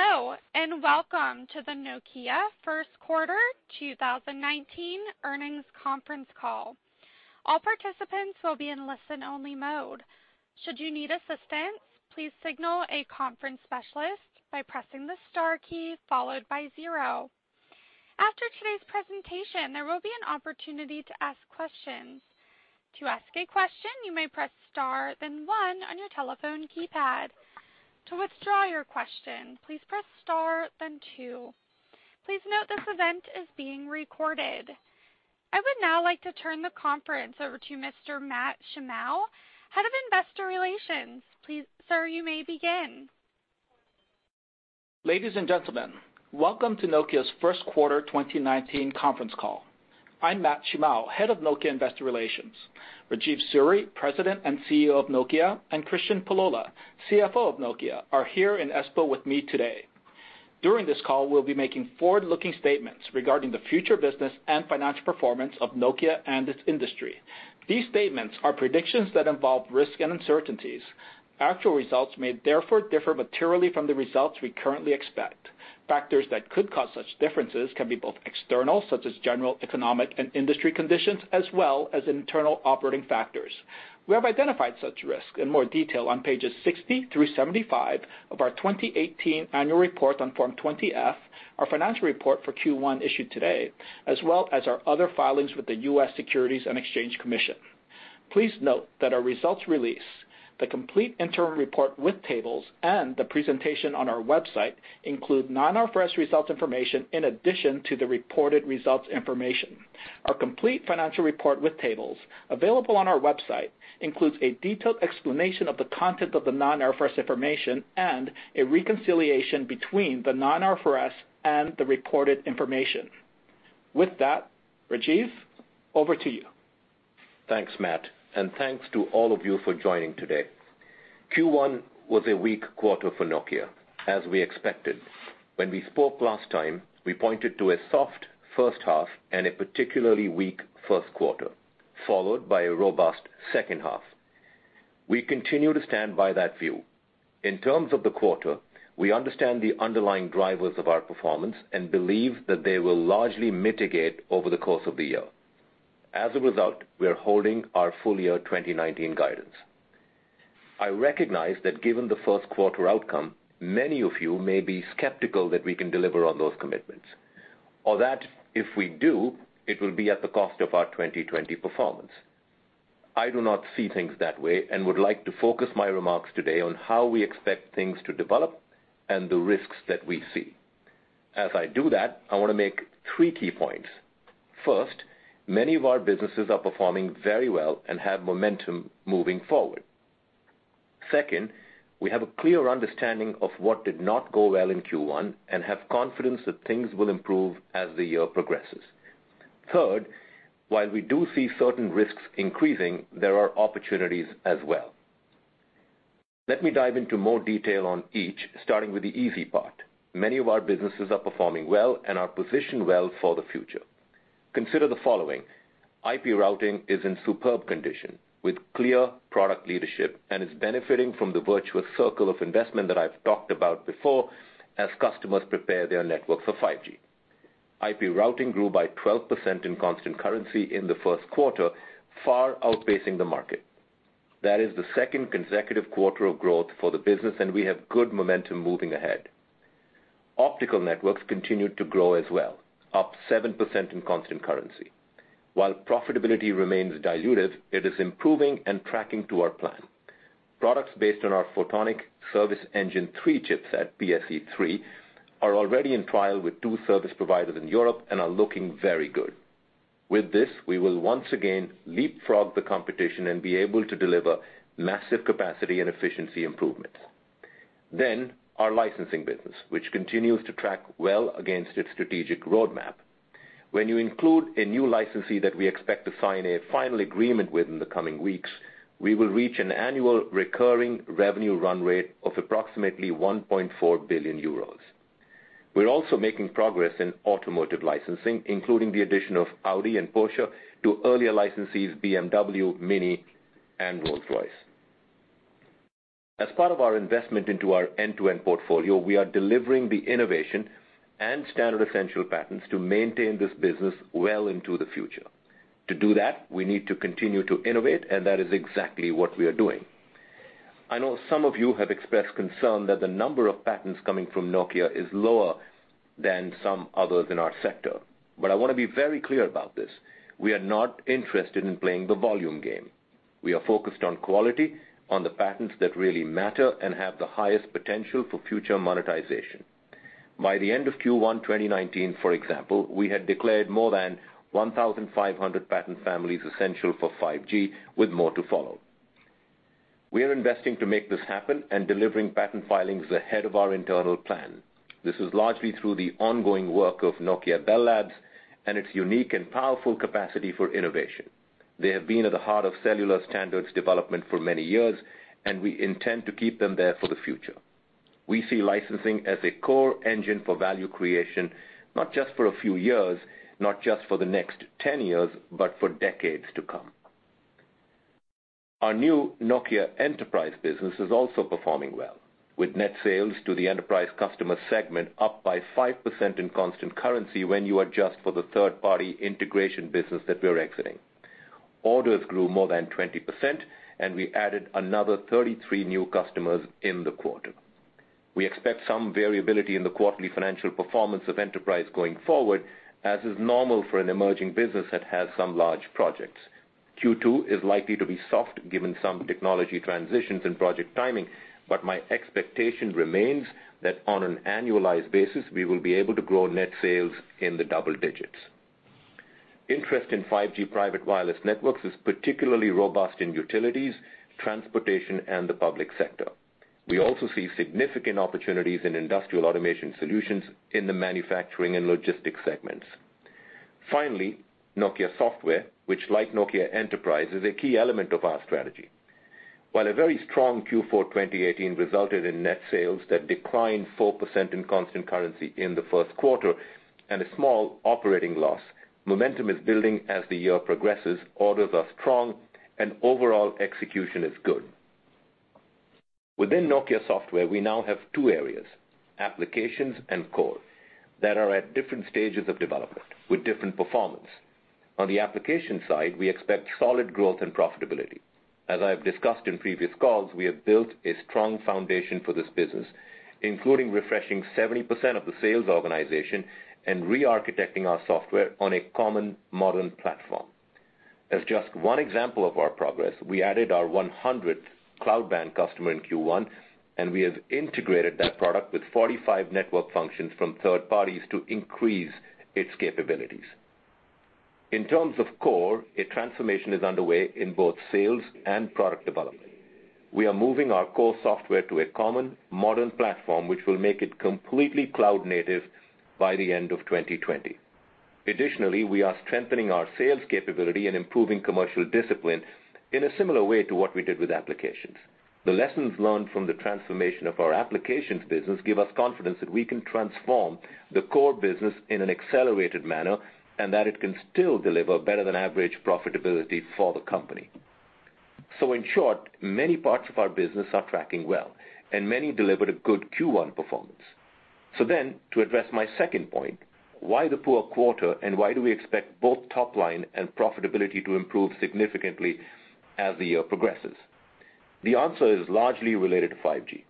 Hello, welcome to the Nokia First Quarter 2019 Earnings Conference Call. All participants will be in listen-only mode. Should you need assistance, please signal a conference specialist by pressing the star key, followed by 0. After today's presentation, there will be an opportunity to ask questions. To ask a question, you may press star, then one on your telephone keypad. To withdraw your question, please press star, then two. Please note this event is being recorded. I would now like to turn the conference over to Mr. Matt Shimao, Head of Investor Relations. Sir, you may begin. Ladies and gentlemen, welcome to Nokia's first quarter 2019 conference call. I'm Matt Shimao, Head of Nokia Investor Relations. Rajeev Suri, President and CEO of Nokia, and Kristian Pullola, CFO of Nokia, are here in Espoo with me today. During this call, we'll be making forward-looking statements regarding the future business and financial performance of Nokia and its industry. These statements are predictions that involve risk and uncertainties. Actual results may therefore differ materially from the results we currently expect. Factors that could cause such differences can be both external, such as general economic and industry conditions, as well as internal operating factors. We have identified such risks in more detail on pages 60 through 75 of our 2018 annual report on Form 20-F, our financial report for Q1 issued today, as well as our other filings with the U.S. Securities and Exchange Commission. Please note that our results release, the complete interim report with tables, and the presentation on our website include non-IFRS results information in addition to the reported results information. Our complete financial report with tables, available on our website, includes a detailed explanation of the content of the non-IFRS information and a reconciliation between the non-IFRS and the reported information. With that, Rajeev, over to you. Thanks, Matt, thanks to all of you for joining today. Q1 was a weak quarter for Nokia, as we expected. When we spoke last time, we pointed to a soft first half and a particularly weak first quarter, followed by a robust second half. We continue to stand by that view. In terms of the quarter, we understand the underlying drivers of our performance and believe that they will largely mitigate over the course of the year. As a result, we are holding our full year 2019 guidance. I recognize that given the first quarter outcome, many of you may be skeptical that we can deliver on those commitments, or that if we do, it will be at the cost of our 2020 performance. I do not see things that way and would like to focus my remarks today on how we expect things to develop and the risks that we see. As I do that, I want to make three key points. First, many of our businesses are performing very well and have momentum moving forward. Second, we have a clear understanding of what did not go well in Q1 and have confidence that things will improve as the year progresses. Third, while we do see certain risks increasing, there are opportunities as well. Let me dive into more detail on each, starting with the easy part. Many of our businesses are performing well and are positioned well for the future. Consider the following. IP routing is in superb condition with clear product leadership and is benefiting from the virtuous circle of investment that I've talked about before as customers prepare their network for 5G. IP routing grew by 12% in constant currency in the first quarter, far outpacing the market. That is the second consecutive quarter of growth for the business, and we have good momentum moving ahead. Optical networks continued to grow as well, up 7% in constant currency. While profitability remains diluted, it is improving and tracking to our plan. Products based on our Photonic Service Engine 3 chipset, PSE-3, are already in trial with two service providers in Europe and are looking very good. With this, we will once again leapfrog the competition and be able to deliver massive capacity and efficiency improvement. Our licensing business, which continues to track well against its strategic roadmap. When you include a new licensee that we expect to sign a final agreement with in the coming weeks, we will reach an annual recurring revenue run rate of approximately 1.4 billion euros. We're also making progress in automotive licensing, including the addition of Audi and Porsche to earlier licensees BMW, Mini, and Rolls-Royce. As part of our investment into our end-to-end portfolio, we are delivering the innovation and standard essential patents to maintain this business well into the future. To do that, we need to continue to innovate, and that is exactly what we are doing. I know some of you have expressed concern that the number of patents coming from Nokia is lower than some others in our sector, but I want to be very clear about this. We are not interested in playing the volume game. We are focused on quality, on the patents that really matter and have the highest potential for future monetization. By the end of Q1 2019, for example, we had declared more than 1,500 patent families essential for 5G, with more to follow. We are investing to make this happen and delivering patent filings ahead of our internal plan. This is largely through the ongoing work of Nokia Bell Labs and its unique and powerful capacity for innovation. They have been at the heart of cellular standards development for many years, and we intend to keep them there for the future. We see licensing as a core engine for value creation, not just for a few years, not just for the next 10 years, but for decades to come. Our new Nokia Enterprise business is also performing well, with net sales to the enterprise customer segment up by 5% in constant currency when you adjust for the third-party integration business that we are exiting. Orders grew more than 20%, and we added another 33 new customers in the quarter. We expect some variability in the quarterly financial performance of Enterprise going forward, as is normal for an emerging business that has some large projects. Q2 is likely to be soft given some technology transitions and project timing, but my expectation remains that on an annualized basis, we will be able to grow net sales in the double digits. Interest in 5G private wireless networks is particularly robust in utilities, transportation, and the public sector. We also see significant opportunities in industrial automation solutions in the manufacturing and logistics segments. Finally, Nokia Software, which like Nokia Enterprise, is a key element of our strategy. While a very strong Q4 2018 resulted in net sales that declined 4% in constant currency in the first quarter and a small operating loss, momentum is building as the year progresses. Orders are strong and overall execution is good. Within Nokia Software, we now have two areas, applications and core, that are at different stages of development with different performance. On the application side, we expect solid growth and profitability. As I have discussed in previous calls, we have built a strong foundation for this business, including refreshing 70% of the sales organization and re-architecting our software on a common modern platform. As just one example of our progress, we added our 100th CloudBand customer in Q1, and we have integrated that product with 45 network functions from third parties to increase its capabilities. In terms of core, a transformation is underway in both sales and product development. We are moving our core software to a common modern platform, which will make it completely cloud-native by the end of 2020. Additionally, we are strengthening our sales capability and improving commercial discipline in a similar way to what we did with applications. The lessons learned from the transformation of our applications business give us confidence that we can transform the core business in an accelerated manner, and that it can still deliver better than average profitability for the company. In short, many parts of our business are tracking well and many delivered a good Q1 performance. To address my second point, why the poor quarter and why do we expect both top line and profitability to improve significantly as the year progresses? The answer is largely related to 5G.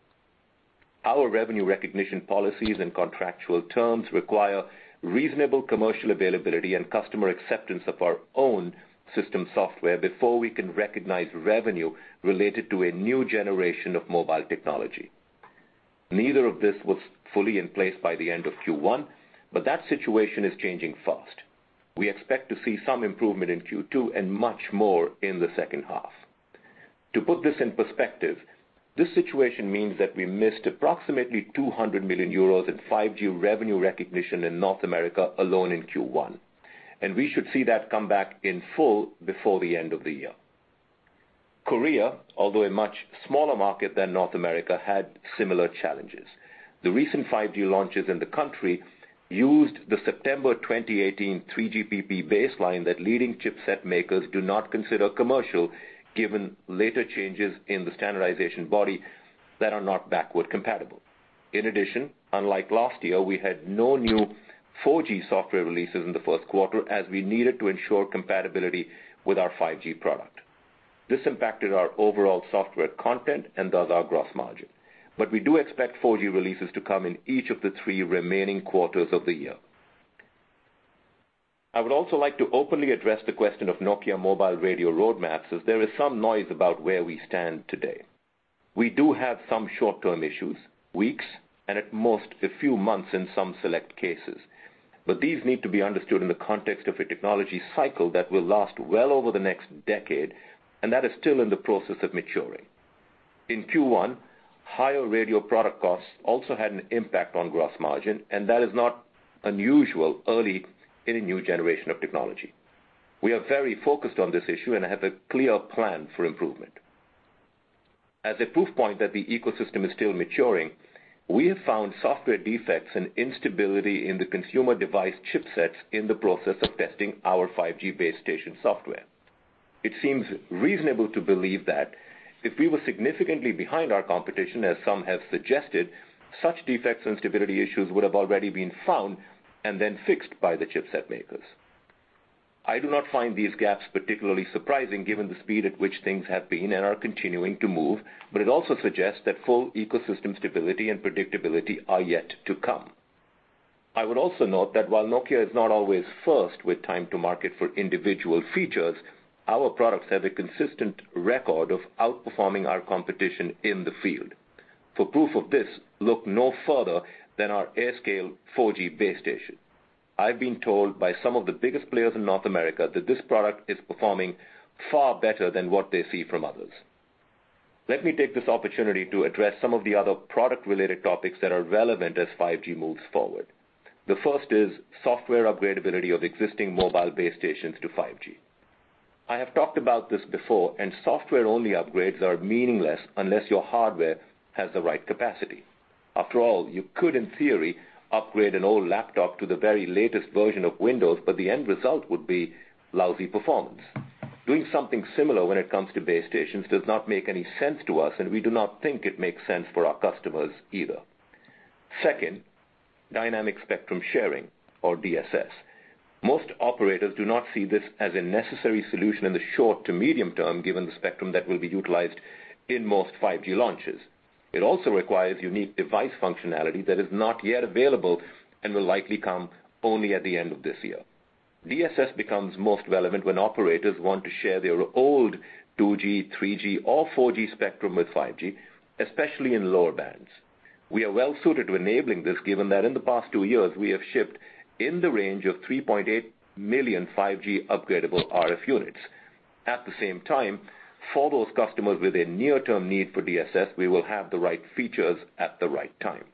Our revenue recognition policies and contractual terms require reasonable commercial availability and customer acceptance of our own system software before we can recognize revenue related to a new generation of mobile technology. Neither of this was fully in place by the end of Q1, but that situation is changing fast. We expect to see some improvement in Q2 and much more in the second half. To put this in perspective, this situation means that we missed approximately 200 million euros in 5G revenue recognition in North America alone in Q1. We should see that come back in full before the end of the year. Korea, although a much smaller market than North America, had similar challenges. The recent 5G launches in the country used the September 2018 3GPP baseline that leading chipset makers do not consider commercial, given later changes in the standardization body that are not backward compatible. In addition, unlike last year, we had no new 4G software releases in the first quarter as we needed to ensure compatibility with our 5G product. This impacted our overall software content and thus our gross margin. We do expect 4G releases to come in each of the three remaining quarters of the year. I would also like to openly address the question of Nokia mobile radio roadmaps, as there is some noise about where we stand today. We do have some short-term issues, weeks, and at most, a few months in some select cases. These need to be understood in the context of a technology cycle that will last well over the next decade, and that is still in the process of maturing. In Q1, higher radio product costs also had an impact on gross margin, and that is not unusual early in a new generation of technology. We are very focused on this issue and have a clear plan for improvement. As a proof point that the ecosystem is still maturing, we have found software defects and instability in the consumer device chipsets in the process of testing our 5G base station software. It seems reasonable to believe that if we were significantly behind our competition, as some have suggested, such defects and stability issues would have already been found and then fixed by the chipset makers. I do not find these gaps particularly surprising given the speed at which things have been and are continuing to move, it also suggests that full ecosystem stability and predictability are yet to come. I would also note that while Nokia is not always first with time to market for individual features, our products have a consistent record of outperforming our competition in the field. For proof of this, look no further than our AirScale 4G base station. I've been told by some of the biggest players in North America that this product is performing far better than what they see from others. Let me take this opportunity to address some of the other product-related topics that are relevant as 5G moves forward. The first is software upgradability of existing mobile base stations to 5G. I have talked about this before, software-only upgrades are meaningless unless your hardware has the right capacity. After all, you could, in theory, upgrade an old laptop to the very latest version of Windows, the end result would be lousy performance. Doing something similar when it comes to base stations does not make any sense to us, and we do not think it makes sense for our customers either. Second, dynamic spectrum sharing, or DSS. Most operators do not see this as a necessary solution in the short to medium term, given the spectrum that will be utilized in most 5G launches. It also requires unique device functionality that is not yet available and will likely come only at the end of this year. DSS becomes most relevant when operators want to share their old 2G, 3G, or 4G spectrum with 5G, especially in lower bands. We are well-suited to enabling this, given that in the past two years, we have shipped in the range of 3.8 million 5G upgradable RF units. At the same time, for those customers with a near-term need for DSS, we will have the right features at the right time.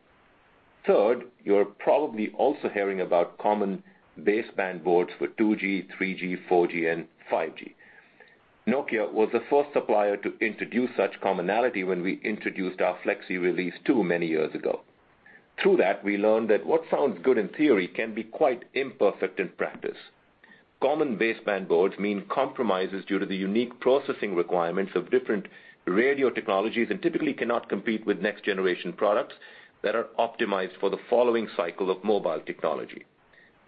Third, you're probably also hearing about common baseband boards for 2G, 3G, 4G, and 5G. Nokia was the first supplier to introduce such commonality when we introduced our Flexi release too many years ago. Through that, we learned that what sounds good in theory can be quite imperfect in practice. Common baseband boards mean compromises due to the unique processing requirements of different radio technologies and typically cannot compete with next generation products that are optimized for the following cycle of mobile technology.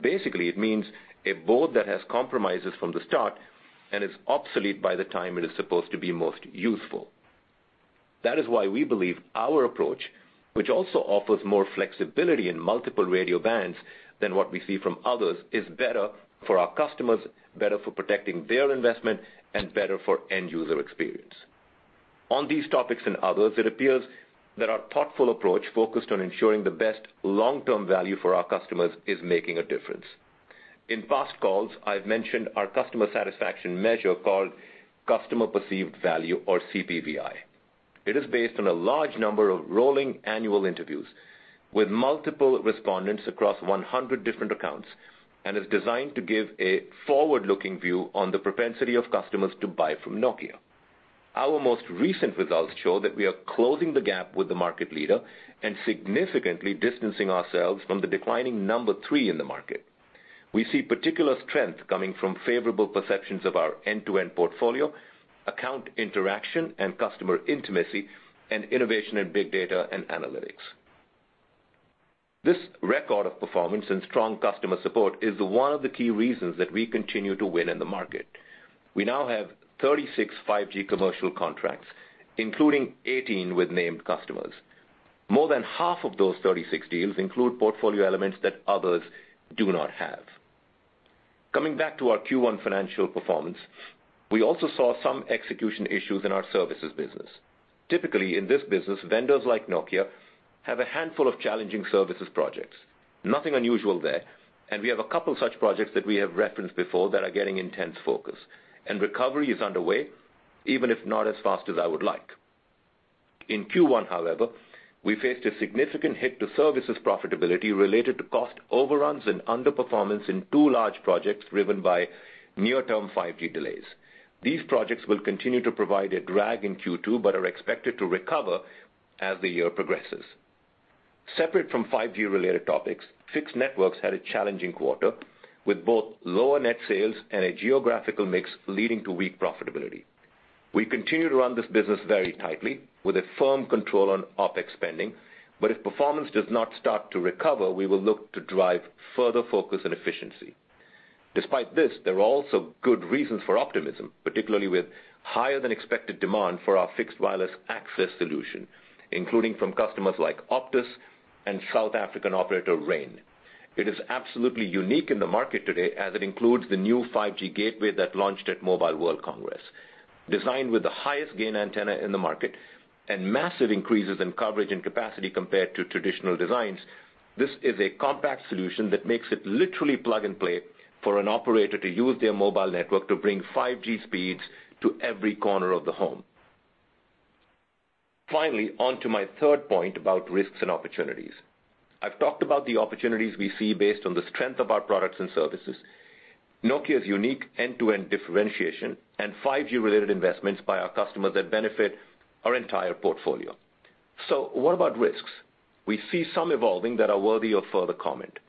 Basically, it means a board that has compromises from the start and is obsolete by the time it is supposed to be most useful. That is why we believe our approach, which also offers more flexibility in multiple radio bands than what we see from others, is better for our customers, better for protecting their investment, and better for end user experience. On these topics and others, it appears that our thoughtful approach focused on ensuring the best long-term value for our customers is making a difference. In past calls, I've mentioned our customer satisfaction measure called Customer Perceived Value or CPVI. It is based on a large number of rolling annual interviews with multiple respondents across 100 different accounts and is designed to give a forward-looking view on the propensity of customers to buy from Nokia. Our most recent results show that we are closing the gap with the market leader and significantly distancing ourselves from the declining number 3 in the market. We see particular strength coming from favorable perceptions of our end-to-end portfolio, account interaction and customer intimacy, and innovation in big data and analytics. This record of performance and strong customer support is one of the key reasons that we continue to win in the market. We now have 36 5G commercial contracts, including 18 with named customers. More than half of those 36 deals include portfolio elements that others do not have. Coming back to our Q1 financial performance, we also saw some execution issues in our services business. Typically, in this business, vendors like Nokia have a handful of challenging services projects. Nothing unusual there. We have a couple such projects that we have referenced before that are getting intense focus. Recovery is underway, even if not as fast as I would like. In Q1, however, we faced a significant hit to services profitability related to cost overruns and underperformance in two large projects driven by near-term 5G delays. These projects will continue to provide a drag in Q2 but are expected to recover as the year progresses. Separate from 5G-related topics, Fixed Networks had a challenging quarter with both lower net sales and a geographical mix leading to weak profitability. We continue to run this business very tightly with a firm control on OpEx spending, but if performance does not start to recover, we will look to drive further focus and efficiency. Despite this, there are also good reasons for optimism, particularly with higher than expected demand for our fixed wireless access solution, including from customers like Optus and South African operator Rain. It is absolutely unique in the market today as it includes the new 5G gateway that launched at Mobile World Congress. Designed with the highest gain antenna in the market and massive increases in coverage and capacity compared to traditional designs, this is a compact solution that makes it literally plug and play for an operator to use their mobile network to bring 5G speeds to every corner of the home. Finally, on to my third point about risks and opportunities. I've talked about the opportunities we see based on the strength of our products and services, Nokia's unique end-to-end differentiation, and 5G-related investments by our customers that benefit our entire portfolio. What about risks? We see some evolving that are worthy of further comment.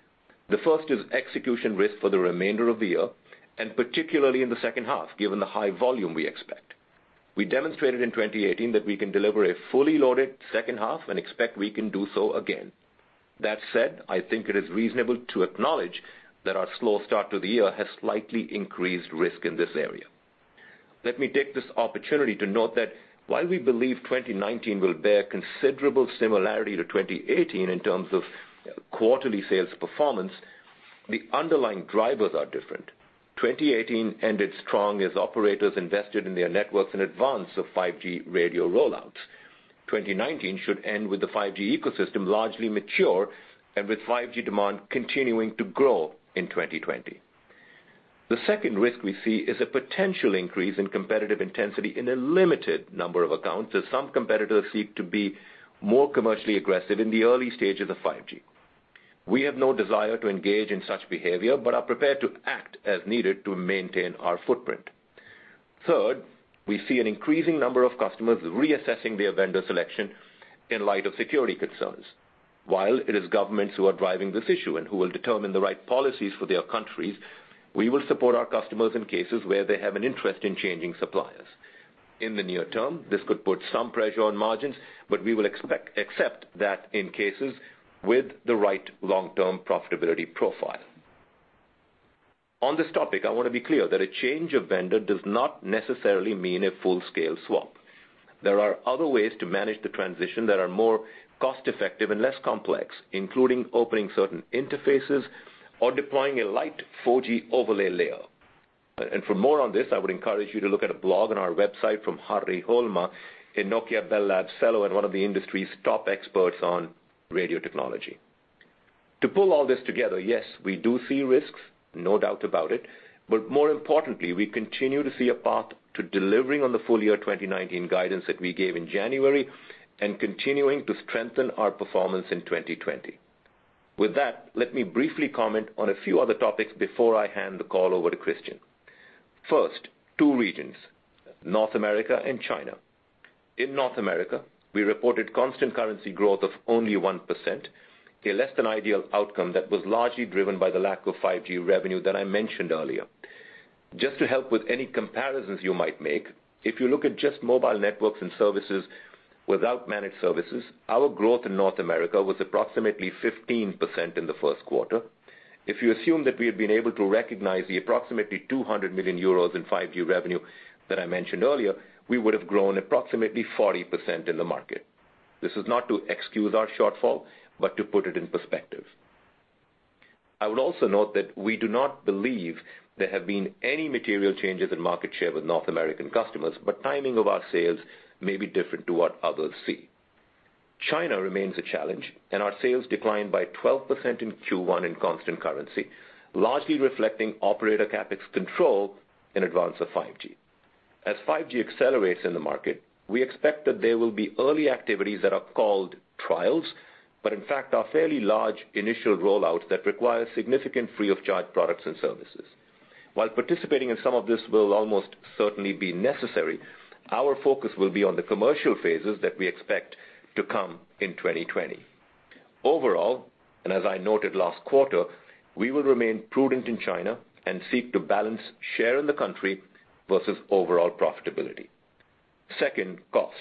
The first is execution risk for the remainder of the year, and particularly in the second half, given the high volume we expect. We demonstrated in 2018 that we can deliver a fully loaded second half and expect we can do so again. That said, I think it is reasonable to acknowledge that our slow start to the year has slightly increased risk in this area. Let me take this opportunity to note that while we believe 2019 will bear considerable similarity to 2018 in terms of quarterly sales performance, the underlying drivers are different. 2018 ended strong as operators invested in their networks in advance of 5G radio rollouts. 2019 should end with the 5G ecosystem largely mature and with 5G demand continuing to grow in 2020. The second risk we see is a potential increase in competitive intensity in a limited number of accounts as some competitors seek to be more commercially aggressive in the early stage of the 5G. We have no desire to engage in such behavior but are prepared to act as needed to maintain our footprint. Third, we see an increasing number of customers reassessing their vendor selection in light of security concerns. While it is governments who are driving this issue and who will determine the right policies for their countries, we will support our customers in cases where they have an interest in changing suppliers. In the near term, this could put some pressure on margins, but we will accept that in cases with the right long-term profitability profile. On this topic, I want to be clear that a change of vendor does not necessarily mean a full-scale swap. There are other ways to manage the transition that are more cost-effective and less complex, including opening certain interfaces or deploying a light 4G overlay layer. For more on this, I would encourage you to look at a blog on our website from Harri Holma in Nokia Bell Labs, Fellow, and one of the industry's top experts on radio technology. To pull all this together, yes, we do see risks. No doubt about it. More importantly, we continue to see a path to delivering on the full year 2019 guidance that we gave in January and continuing to strengthen our performance in 2020. With that, let me briefly comment on a few other topics before I hand the call over to Kristian. First, two regions, North America and China. In North America, we reported constant currency growth of only 1%, a less than ideal outcome that was largely driven by the lack of 5G revenue that I mentioned earlier. Just to help with any comparisons you might make, if you look at just mobile networks and services without managed services, our growth in North America was approximately 15% in the first quarter. If you assume that we had been able to recognize the approximately 200 million euros in 5G revenue that I mentioned earlier, we would have grown approximately 40% in the market. This is not to excuse our shortfall, but to put it in perspective. I would also note that we do not believe there have been any material changes in market share with North American customers, but timing of our sales may be different to what others see. China remains a challenge. Our sales declined by 12% in Q1 in constant currency, largely reflecting operator CapEx control in advance of 5G. As 5G accelerates in the market, we expect that there will be early activities that are called trials, but in fact, are fairly large initial rollouts that require significant free-of-charge products and services. While participating in some of this will almost certainly be necessary, our focus will be on the commercial phases that we expect to come in 2020. As I noted last quarter, we will remain prudent in China and seek to balance share in the country versus overall profitability. Second, costs.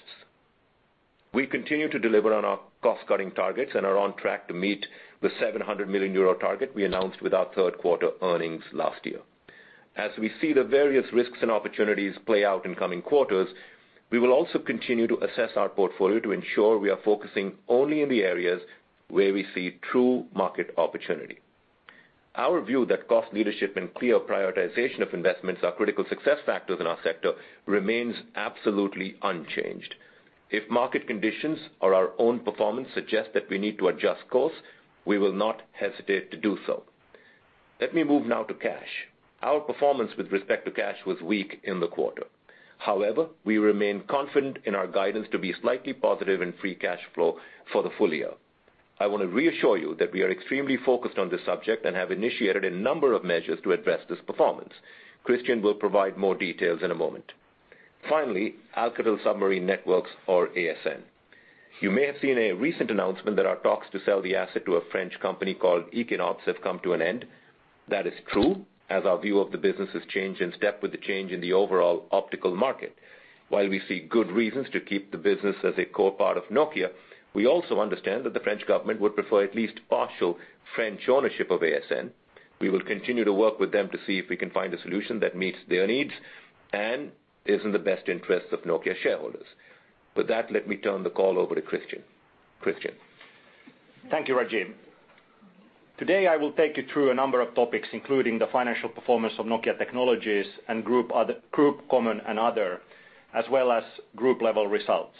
We continue to deliver on our cost-cutting targets and are on track to meet the 700 million euro target we announced with our third-quarter earnings last year. As we see the various risks and opportunities play out in coming quarters, we will also continue to assess our portfolio to ensure we are focusing only in the areas where we see true market opportunity. Our view that cost leadership and clear prioritization of investments are critical success factors in our sector remains absolutely unchanged. If market conditions or our own performance suggest that we need to adjust course, we will not hesitate to do so. Let me move now to cash. Our performance with respect to cash was weak in the quarter. However, we remain confident in our guidance to be slightly positive in free cash flow for the full year. I want to reassure you that we are extremely focused on this subject and have initiated a number of measures to address this performance. Kristian will provide more details in a moment. Finally, Alcatel Submarine Networks or ASN. You may have seen a recent announcement that our talks to sell the asset to a French company called Ekinops have come to an end. That is true, as our view of the business has changed in step with the change in the overall optical market. While we see good reasons to keep the business as a core part of Nokia, we also understand that the French government would prefer at least partial French ownership of ASN. We will continue to work with them to see if we can find a solution that meets their needs and is in the best interest of Nokia shareholders. With that, let me turn the call over to Kristian. Kristian? Thank you, Rajeev. Today, I will take you through a number of topics, including the financial performance of Nokia Technologies and Group Common and Other, as well as group-level results.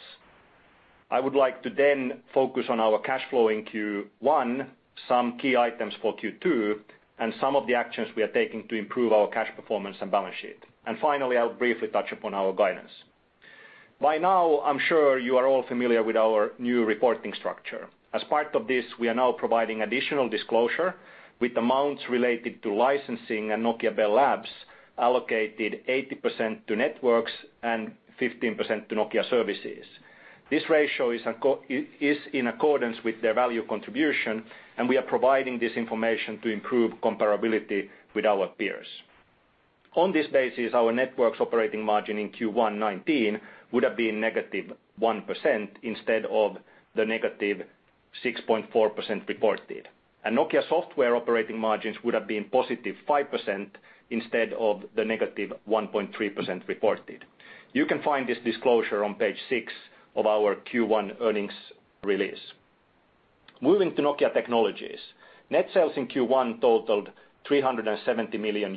I would like to then focus on our cash flow in Q1, some key items for Q2, and some of the actions we are taking to improve our cash performance and balance sheet. Finally, I will briefly touch upon our guidance. By now, I am sure you are all familiar with our new reporting structure. As part of this, we are now providing additional disclosure with amounts related to licensing and Nokia Bell Labs allocated 80% to networks and 15% to Nokia services. This ratio is in accordance with their value contribution, and we are providing this information to improve comparability with our peers. On this basis, our networks operating margin in Q1 2019 would have been -1% instead of the -6.4% reported. Nokia Software operating margins would have been +5% instead of the -1.3% reported. You can find this disclosure on page six of our Q1 earnings release. Moving to Nokia Technologies. Net sales in Q1 totaled EUR 370 million,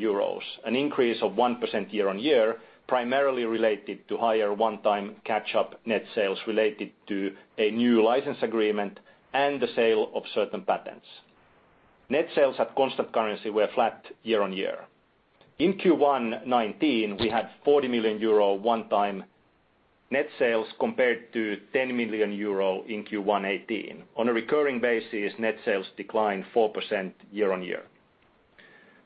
an increase of 1% year-on-year, primarily related to higher one-time catch-up net sales related to a new license agreement and the sale of certain patents. Net sales at constant currency were flat year-on-year. In Q1 2019, we had 40 million euro one-time net sales compared to 10 million euro in Q1 2018. On a recurring basis, net sales declined 4% year-on-year.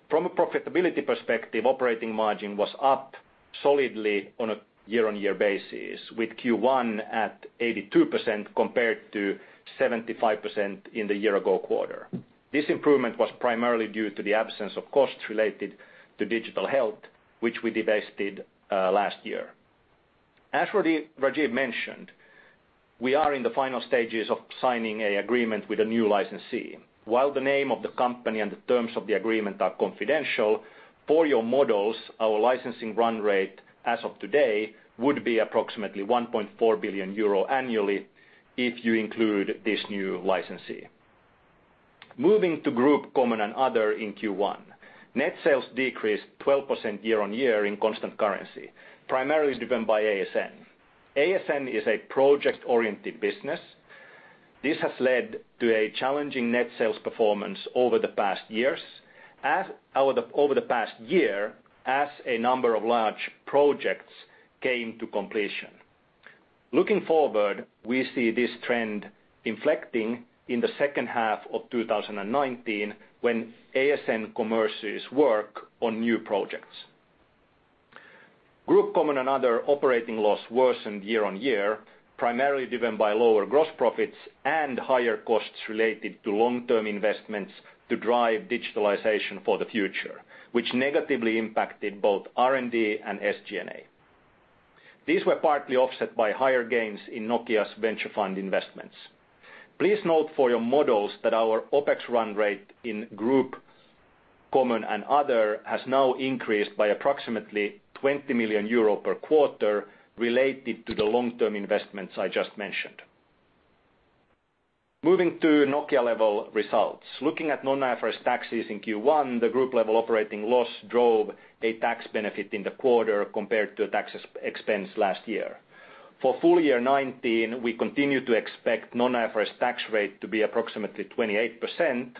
From a profitability perspective, operating margin was up solidly on a year-on-year basis, with Q1 at 82% compared to 75% in the year-ago quarter. This improvement was primarily due to the absence of costs related to digital health, which we divested last year. As Rajeev mentioned, we are in the final stages of signing an agreement with a new licensee. While the name of the company and the terms of the agreement are confidential, for your models, our licensing run rate as of today would be approximately 1.4 billion euro annually if you include this new licensee. Moving to Group Common and Other in Q1. Net sales decreased 12% year-on-year in constant currency, primarily driven by ASN. ASN is a project-oriented business. This has led to a challenging net sales performance over the past year as a number of large projects came to completion. Looking forward: we see this trend inflecting in the second half of 2019 when ASN commences work on new projects. Group Common and Other operating loss worsened year-on-year, primarily driven by lower gross profits and higher costs related to long-term investments to drive digitalization for the future, which negatively impacted both R&D and SG&A. These were partly offset by higher gains in Nokia's venture fund investments. Please note for your models that our OpEx run rate in Group Common and Other has now increased by approximately 20 million euro per quarter related to the long-term investments I just mentioned. Moving to Nokia-level results. Looking at non-IFRS taxes in Q1, the group level operating loss drove a tax benefit in the quarter compared to a tax expense last year. For full year 2019, we continue to expect non-IFRS tax rate to be approximately 28%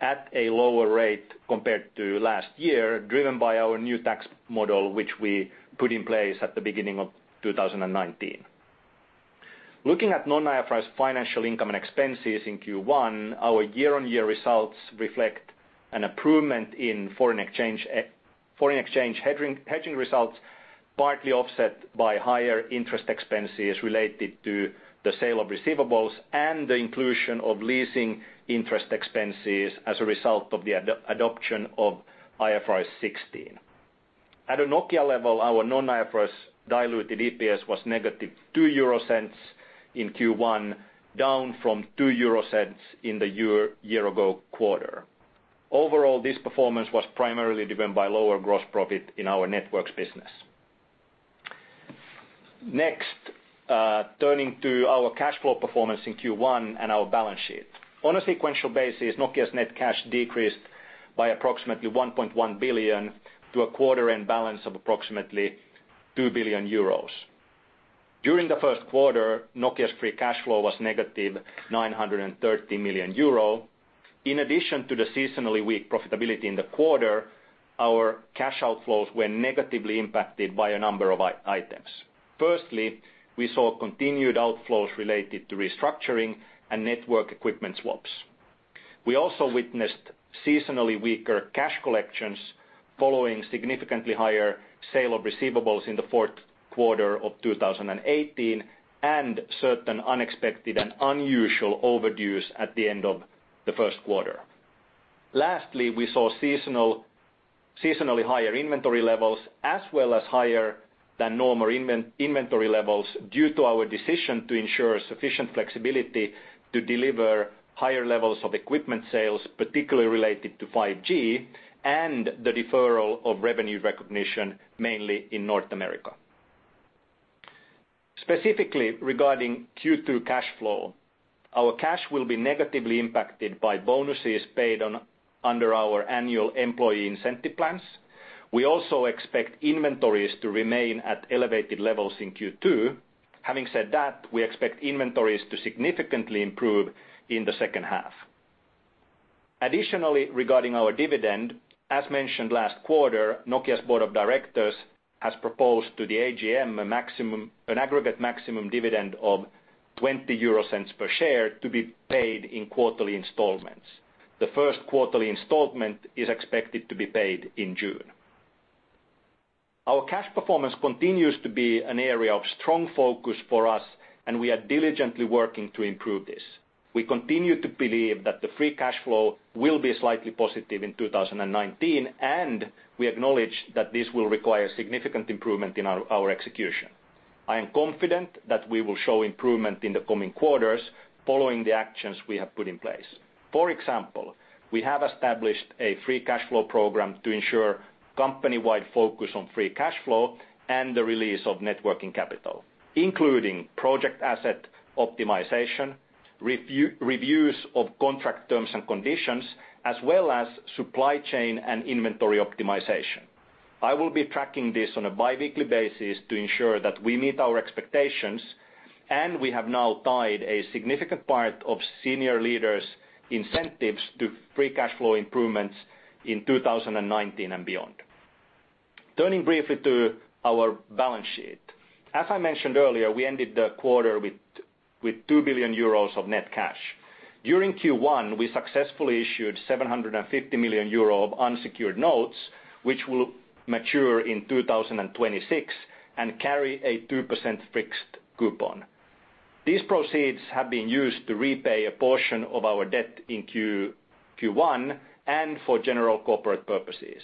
at a lower rate compared to last year, driven by our new tax model, which we put in place at the beginning of 2019. Looking at non-IFRS financial income and expenses in Q1, our year-on-year results reflect an improvement in foreign exchange hedging results, partly offset by higher interest expenses related to the sale of receivables and the inclusion of leasing interest expenses as a result of the adoption of IFRS 16. At a Nokia level, our non-IFRS diluted EPS was negative 0.02 in Q1, down from 0.02 in the year-ago quarter. Overall, this performance was primarily driven by lower gross profit in our networks business. Turning to our cash flow performance in Q1 and our balance sheet. On a sequential basis, Nokia's net cash decreased by approximately 1.1 billion to a quarter-end balance of approximately 2 billion euros. During the first quarter, Nokia's free cash flow was negative 930 million euro. In addition to the seasonally weak profitability in the quarter, our cash outflows were negatively impacted by a number of items. Firstly, we saw continued outflows related to restructuring and network equipment swaps. We also witnessed seasonally weaker cash collections following significantly higher sale of receivables in the fourth quarter of 2018 and certain unexpected and unusual overdues at the end of the first quarter. Lastly, we saw seasonally higher inventory levels as well as higher than normal inventory levels due to our decision to ensure sufficient flexibility to deliver higher levels of equipment sales, particularly related to 5G and the deferral of revenue recognition, mainly in North America. Specifically regarding Q2 cash flow, our cash will be negatively impacted by bonuses paid under our annual employee incentive plans. We also expect inventories to remain at elevated levels in Q2. Having said that, we expect inventories to significantly improve in the second half. Additionally, regarding our dividend, as mentioned last quarter, Nokia's board of directors has proposed to the AGM an aggregate maximum dividend of 0.20 per share to be paid in quarterly installments. The first quarterly installment is expected to be paid in June. Our cash performance continues to be an area of strong focus for us. We are diligently working to improve this. We continue to believe that the free cash flow will be slightly positive in 2019. We acknowledge that this will require significant improvement in our execution. I am confident that we will show improvement in the coming quarters following the actions we have put in place. For example, we have established a free cash flow program to ensure company-wide focus on free cash flow and the release of networking capital, including project asset optimization, reviews of contract terms and conditions, as well as supply chain and inventory optimization. I will be tracking this on a biweekly basis to ensure that we meet our expectations. We have now tied a significant part of senior leaders' incentives to free cash flow improvements in 2019 and beyond. Turning briefly to our balance sheet. As I mentioned earlier, we ended the quarter with 2 billion euros of net cash. During Q1, we successfully issued 750 million euro of unsecured notes, which will mature in 2026 and carry a 2% fixed coupon. These proceeds have been used to repay a portion of our debt in Q1, and for general corporate purposes.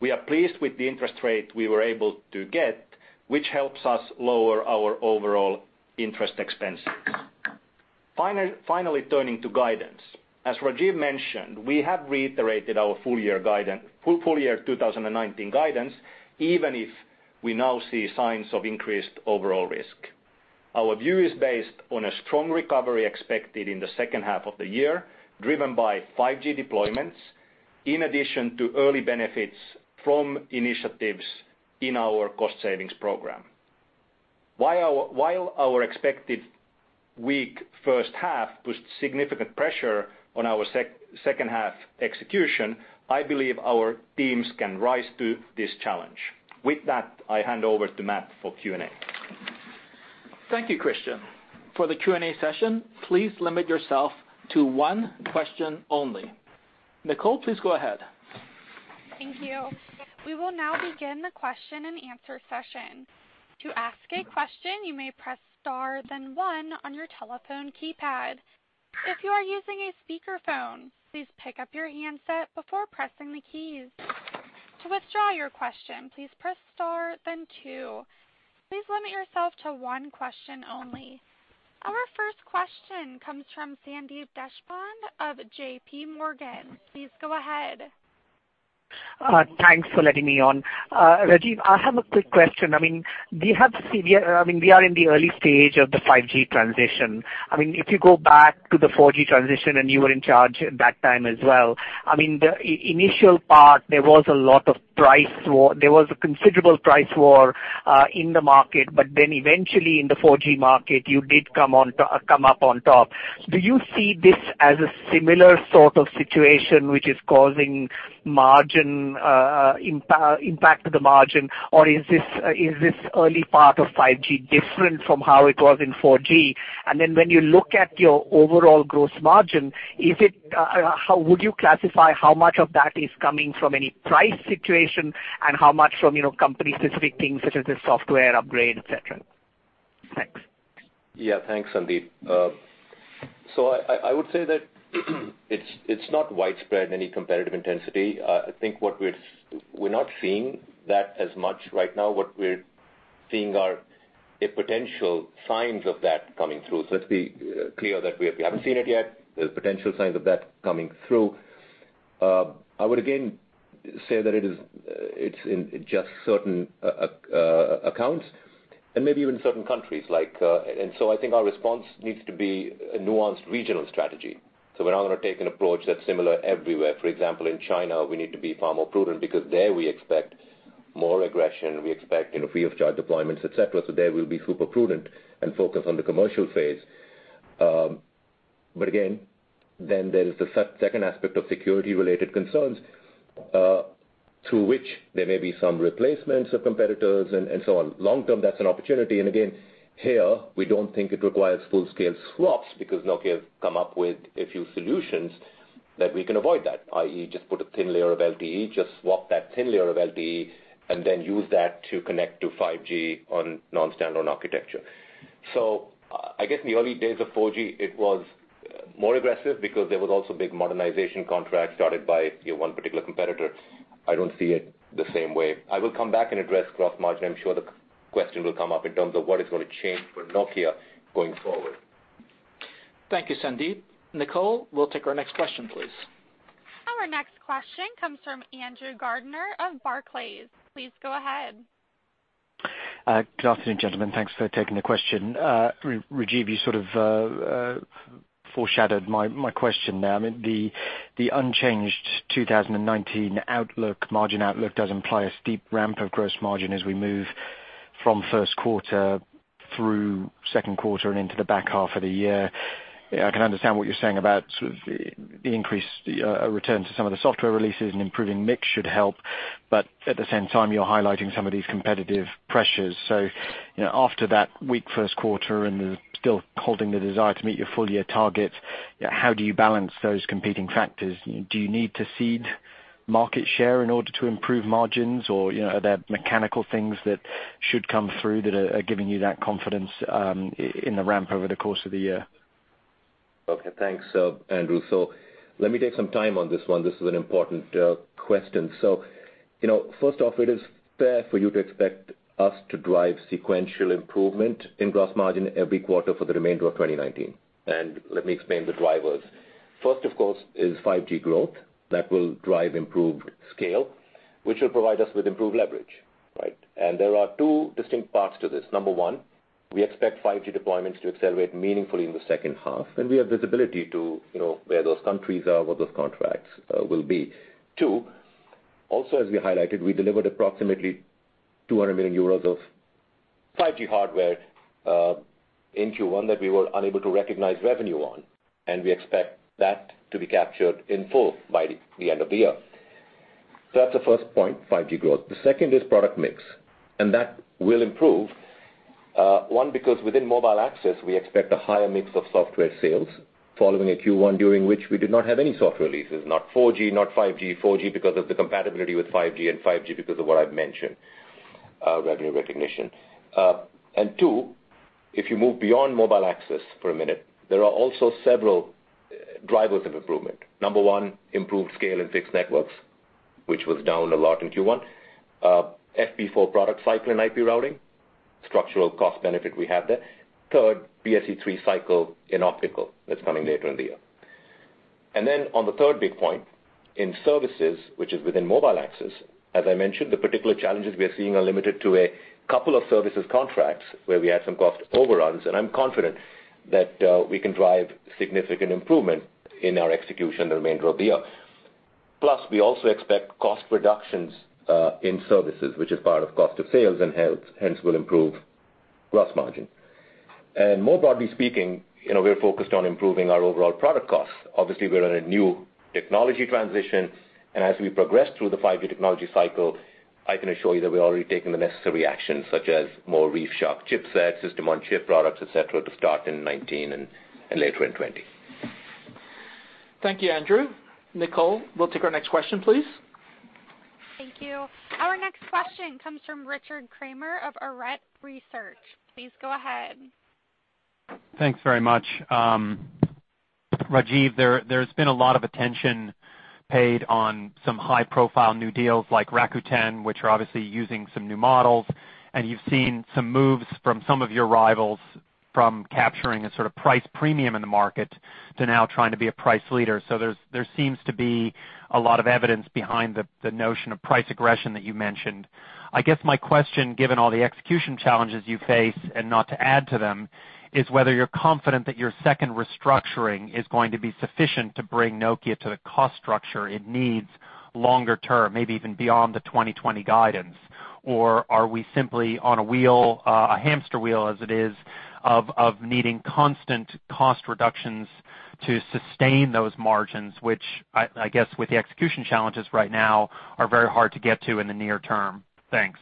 We are pleased with the interest rate we were able to get, which helps us lower our overall interest expense. Finally, turning to guidance. As Rajeev mentioned, we have reiterated our full year 2019 guidance, even if we now see signs of increased overall risk. Our view is based on a strong recovery expected in the second half of the year, driven by 5G deployments, in addition to early benefits from initiatives in our cost savings program. While our expected weak first half puts significant pressure on our second half execution, I believe our teams can rise to this challenge. With that, I hand over to Matt for Q&A. Thank you, Kristian. For the Q&A session, please limit yourself to one question only. Nicole, please go ahead. Thank you. We will now begin the question and answer session. To ask a question, you may press star then one on your telephone keypad. If you are using a speakerphone, please pick up your handset before pressing the keys. To withdraw your question, please press star then two. Please limit yourself to one question only. Our first question comes from Sandeep Deshpande of J.P. Morgan. Please go ahead. Thanks for letting me on. Rajeev, I have a quick question. We are in the early stage of the 5G transition. If you go back to the 4G transition, and you were in charge at that time as well, the initial part, there was a considerable price war in the market. Eventually in the 4G market, you did come up on top. Do you see this as a similar sort of situation, which is causing impact to the margin? Is this early part of 5G different from how it was in 4G? When you look at your overall gross margin, would you classify how much of that is coming from any price situation and how much from company specific things such as the software upgrade, et cetera? Thanks. Thanks, Sandeep. I would say that it is not widespread, any competitive intensity. I think we are not seeing that as much right now. What we are seeing are potential signs of that coming through. Let's be clear that we have not seen it yet. There is potential signs of that coming through. I would again say that it is in just certain accounts and maybe even certain countries. I think our response needs to be a nuanced regional strategy. We are not going to take an approach that is similar everywhere. For example, in China, we need to be far more prudent because there we expect more aggression. We expect free of charge deployments, et cetera. There we will be super prudent and focus on the commercial phase. Again, there is the second aspect of security related concerns, to which there may be some replacements of competitors and so on. Long term, that is an opportunity. Again, here, we do not think it requires full scale swaps because Nokia has come up with a few solutions that we can avoid that, i.e., just put a thin layer of LTE, just swap that thin layer of LTE and then use that to connect to 5G on non-standalone architecture. I guess in the early days of 4G, it was more aggressive because there was also big modernization contracts started by one particular competitor. I do not see it the same way. I will come back and address gross margin. I am sure the question will come up in terms of what is going to change for Nokia going forward. Thank you, Sandeep. Nicole, we will take our next question, please. Our next question comes from Andrew Gardiner of Barclays. Please go ahead. Good afternoon, gentlemen. Thanks for taking the question. Rajeev, you sort of foreshadowed my question. The unchanged 2019 margin outlook does imply a steep ramp of gross margin as we move from first quarter through second quarter and into the back half of the year. At the same time, you're highlighting some of these competitive pressures. After that weak first quarter and still holding the desire to meet your full year targets, how do you balance those competing factors? Do you need to cede market share in order to improve margins? Are there mechanical things that should come through that are giving you that confidence in the ramp over the course of the year? Thanks, Andrew. Let me take some time on this one. This is an important question. First off, it is fair for you to expect us to drive sequential improvement in gross margin every quarter for the remainder of 2019. Let me explain the drivers. First, of course, is 5G growth that will drive improved scale, which will provide us with improved leverage. Right? There are two distinct parts to this. Number 1, we expect 5G deployments to accelerate meaningfully in the second half, and we have visibility to where those countries are, what those contracts will be. Also, as we highlighted, we delivered approximately 200 million euros of 5G hardware in Q1 that we were unable to recognize revenue on, and we expect that to be captured in full by the end of the year. That's the first point, 5G growth. The second is product mix, and that will improve. One, because within mobile access, we expect a higher mix of software sales following a Q1, during which we did not have any software leases, not 4G, not 5G. 4G because of the compatibility with 5G, and 5G because of what I've mentioned, revenue recognition. Two, if you move beyond mobile access for a minute, there are also several drivers of improvement. Number 1, improved scale in Fixed Networks, which was down a lot in Q1. FP4 product cycle in IP routing, structural cost benefit we have there. Third, PSE-3 cycle in optical, that's coming later in the year. Then on the third big point, in services, which is within mobile access, as I mentioned, the particular challenges we are seeing are limited to a couple of services contracts where we had some cost overruns, and I'm confident that we can drive significant improvement in our execution the remainder of the year. Plus, we also expect cost reductions in services, which is part of cost of sales and hence will improve gross margin. More broadly speaking, we're focused on improving our overall product costs. Obviously, we're in a new technology transition, and as we progress through the 5G technology cycle, I can assure you that we're already taking the necessary actions, such as more ReefShark chipsets, system-on-chip products, et cetera, to start in 2019 and later in 2020. Thank you, Andrew. Nicole, we'll take our next question, please. Thank you. Our next question comes from Richard Kramer of Arete Research. Please go ahead. Thanks very much. Rajeev, there has been a lot of attention paid on some high-profile new deals like Rakuten, which are obviously using some new models, and you've seen some moves from some of your rivals from capturing a sort of price premium in the market to now trying to be a price leader. There seems to be a lot of evidence behind the notion of price aggression that you mentioned. I guess my question, given all the execution challenges you face, and not to add to them, is whether you're confident that your second restructuring is going to be sufficient to bring Nokia to the cost structure it needs longer term, maybe even beyond the 2020 guidance. Are we simply on a wheel, a hamster wheel as it is, of needing constant cost reductions to sustain those margins, which I guess with the execution challenges right now are very hard to get to in the near term? Thanks.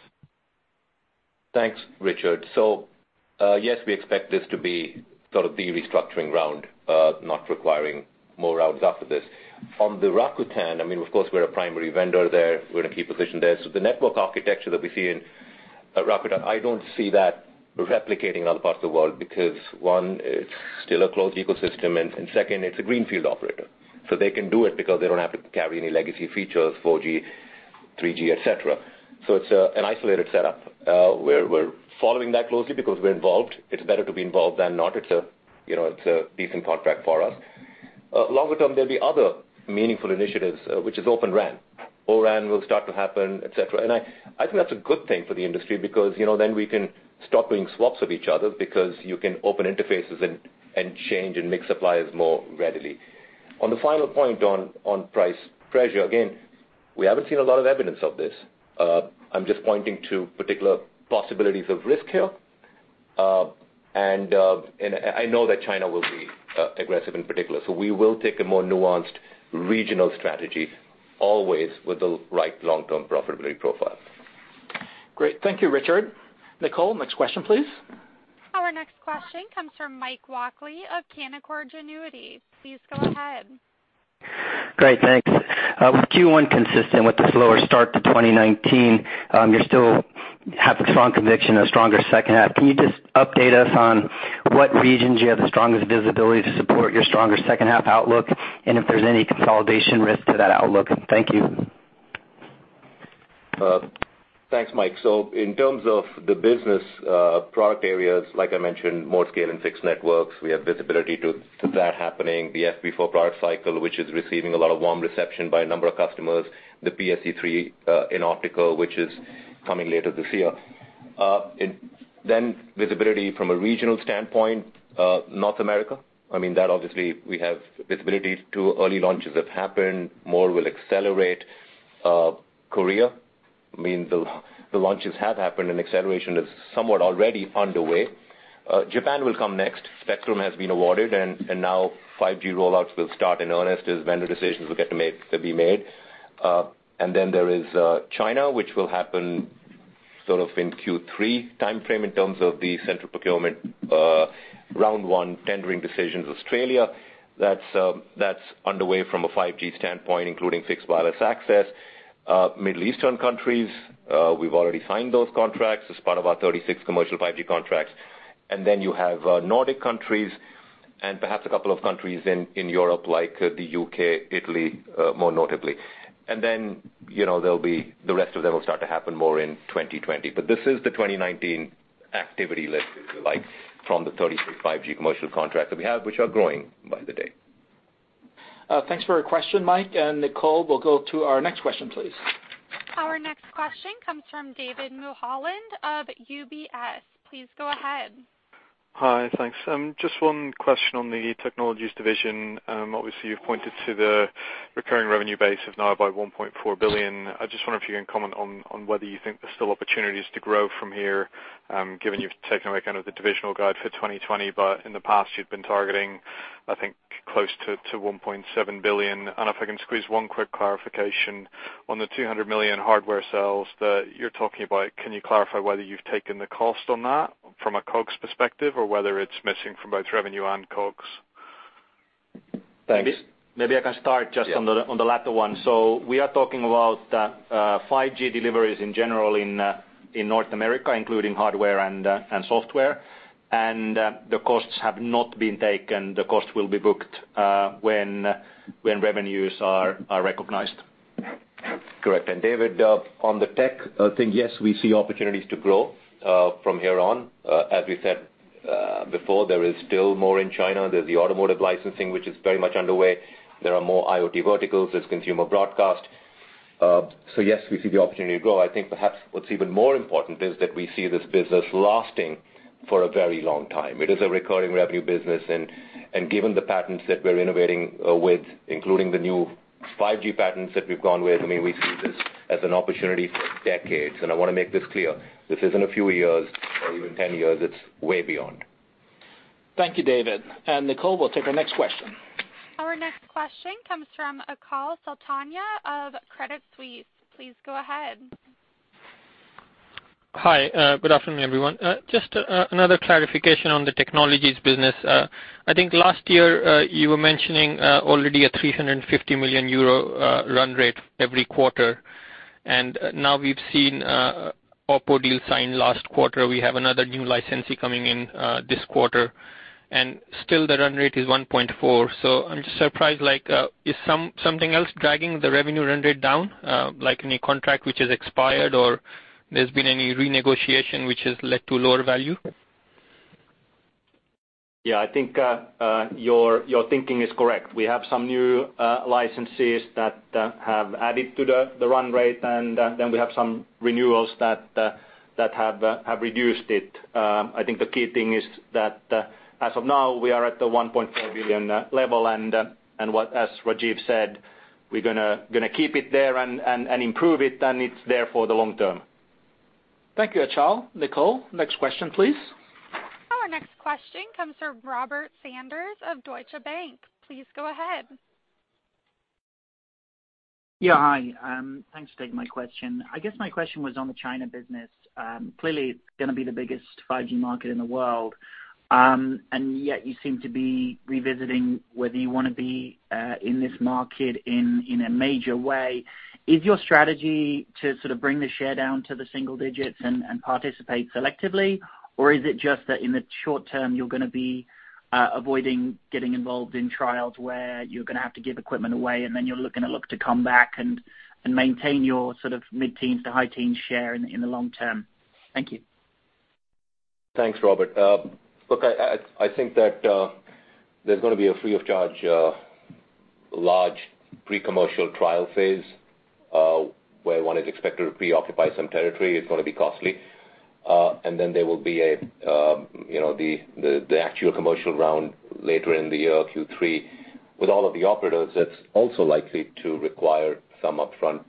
Thanks, Richard. Yes, we expect this to be sort of the restructuring round, not requiring more rounds after this. On the Rakuten, of course, we're a primary vendor there. We're in a key position there. The network architecture that we see in Rakuten, I don't see that replicating in other parts of the world because one, it's still a closed ecosystem, and second, it's a greenfield operator. They can do it because they don't have to carry any legacy features, 4G, 3G, et cetera. It's an isolated setup. We're following that closely because we're involved. It's better to be involved than not. It's a decent contract for us. Longer term, there'll be other meaningful initiatives, which is Open RAN. O-RAN will start to happen, et cetera. I think that's a good thing for the industry because then we can stop doing swaps with each other because you can open interfaces and change and mix suppliers more readily. On the final point on price pressure, again, we haven't seen a lot of evidence of this. I'm just pointing to particular possibilities of risk here. I know that China will be aggressive in particular. We will take a more nuanced regional strategy, always with the right long-term profitability profile. Great. Thank you, Richard. Nicole, next question, please. Our next question comes from Mike Walkley of Canaccord Genuity. Please go ahead. Great, thanks. With Q1 consistent with the slower start to 2019, you still have a strong conviction of a stronger second half. Can you just update us on what regions you have the strongest visibility to support your stronger second half outlook, and if there's any consolidation risk to that outlook? Thank you. Thanks, Mike. In terms of the business product areas, like I mentioned, more scale in Fixed Networks. We have visibility to that happening. The FP4 product cycle, which is receiving a lot of warm reception by a number of customers. The PSE-3 in optical, which is coming later this year. Visibility from a regional standpoint, North America. That obviously we have visibility to early launches that have happened. More will accelerate. Korea, the launches have happened, and acceleration is somewhat already underway. Japan will come next. Spectrum has been awarded, and now 5G rollouts will start in earnest as vendor decisions will get to be made. There is China, which will happen sort of in Q3 timeframe in terms of the central procurement round one tendering decisions. Australia, that's underway from a 5G standpoint, including fixed wireless access. Middle Eastern countries, we've already signed those contracts as part of our 36 commercial 5G contracts. You have Nordic countries and perhaps a couple of countries in Europe, like the U.K., Italy, more notably. The rest of them will start to happen more in 2020. This is the 2019 activity list, if you like, from the 36 5G commercial contracts that we have, which are growing by the day. Thanks for your question, Mike. Nicole, we'll go to our next question, please. Our next question comes from David Mulholland of UBS. Please go ahead. Hi. Thanks. Just one question on the Nokia Technologies division. Obviously, you've pointed to the recurring revenue base of now about 1.4 billion. I just wonder if you can comment on whether you think there's still opportunities to grow from here, given you've taken away kind of the divisional guide for 2020, but in the past you've been targeting, I think, close to 1.7 billion. If I can squeeze one quick clarification on the 200 million hardware sales that you're talking about, can you clarify whether you've taken the cost on that from a COGS perspective or whether it's missing from both revenue and COGS? Thanks. Maybe I can start just on the latter one. We are talking about 5G deliveries in general in North America, including hardware and software. The costs have not been taken. The cost will be booked when revenues are recognized. Correct. David, on the tech thing, yes, we see opportunities to grow from here on. As we said before, there is still more in China. There's the automotive licensing, which is very much underway. There are more IoT verticals. There's consumer broadcast. Yes, we see the opportunity to grow. I think perhaps what's even more important is that we see this business lasting for a very long time. It is a recurring revenue business, and given the patents that we're innovating with, including the new 5G patents that we've gone with, we see this as an opportunity for decades. I want to make this clear. This isn't a few years or even 10 years. It's way beyond. Thank you, David. Nicole will take our next question. Our next question comes from Achal Sultania of Credit Suisse. Please go ahead. Hi. Good afternoon, everyone. Just another clarification on the technologies business. I think last year, you were mentioning already a 350 million euro run rate every quarter. Now we've seen Oppo deal sign last quarter. We have another new licensee coming in this quarter. Still the run rate is 1.4 billion. I'm just surprised, is something else dragging the revenue run rate down? Like any contract which has expired or there's been any renegotiation which has led to lower value? Yeah, I think your thinking is correct. We have some new licensees that have added to the run rate, and then we have some renewals that have reduced it. I think the key thing is that as of now, we are at the 1.4 billion level, and as Rajeev said, we're going to keep it there and improve it, and it's there for the long term. Thank you, Achal Sultania. Nicole, next question, please. Our next question comes from Robert Sanders of Deutsche Bank. Please go ahead. Yeah. Hi. Thanks for taking my question. I guess my question was on the China business. Clearly, it's going to be the biggest 5G market in the world, yet you seem to be revisiting whether you want to be in this market in a major way. Is your strategy to sort of bring the share down to the single digits and participate selectively? Or is it just that in the short term you're going to be avoiding getting involved in trials where you're going to have to give equipment away, then you're looking to come back and maintain your sort of mid-teens to high teens share in the long term? Thank you. Thanks, Robert. Look, I think that there's going to be a free of charge large pre-commercial trial phase where one is expected to preoccupy some territory. It's going to be costly. Then there will be the actual commercial round later in the year, Q3. With all of the operators, that's also likely to require some upfront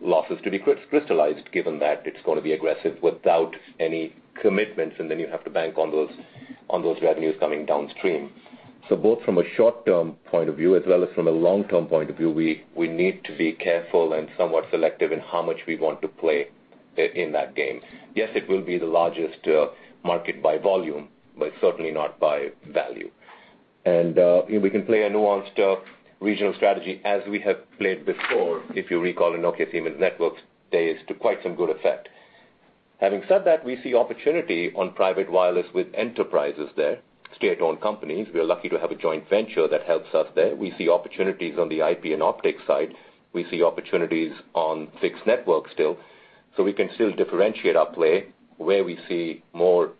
losses to be crystallized given that it's going to be aggressive without any commitments, and then you have to bank on those revenues coming downstream. Both from a short-term point of view as well as from a long-term point of view, we need to be careful and somewhat selective in how much we want to play in that game. Yes, it will be the largest market by volume, but certainly not by value. We can play a nuanced regional strategy as we have played before, if you recall Nokia Siemens Networks days to quite some good effect. Having said that, we see opportunity on private wireless with enterprises there, state-owned companies. We are lucky to have a joint venture that helps us there. We see opportunities on the IP and optics side. We see opportunities on fixed network still. We can still differentiate our play where we see more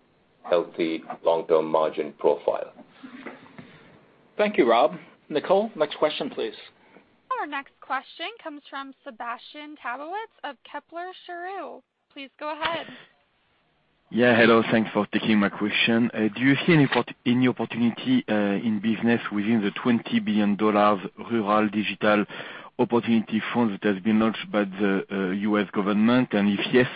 healthy long-term margin profile. Thank you, Rob. Nicole, next question, please. Our next question comes from Sébastien Sztabowicz of Kepler Cheuvreux. Please go ahead. Hello, thanks for taking my question. Do you see any opportunity in business within the $20 billion Rural Digital Opportunity Fund that has been launched by the U.S. government? If yes,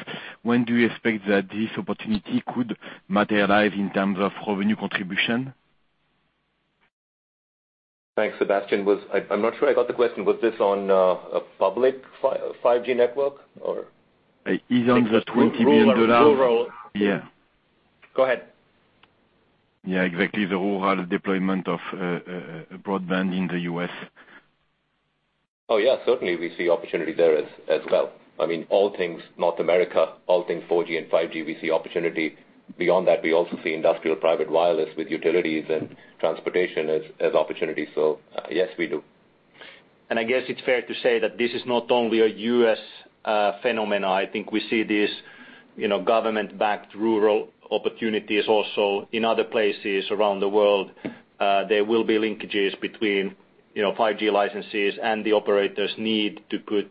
when do you expect that this opportunity could materialize in terms of revenue contribution? Thanks, Sébastien. I'm not sure I got the question. Was this on a public 5G network or? It's on the $20 billion. Rural. Yeah. Go ahead. Yeah, exactly. The rural deployment of broadband in the U.S. Oh, yeah. Certainly, we see opportunity there as well. I mean, all things North America, all things 4G and 5G, we see opportunity. Beyond that, we also see industrial private wireless with utilities and transportation as opportunities. Yes, we do. I guess it's fair to say that this is not only a U.S. phenomenon. I think we see these government-backed rural opportunities also in other places around the world. There will be linkages between 5G licenses and the operators need to put